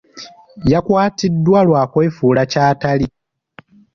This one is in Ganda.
Yakwatiddwa lwa kwefuula ky'atali.